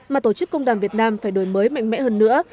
mà tổ chức công đoàn việt nam phải đổi mới mạnh mẽ hơn nữa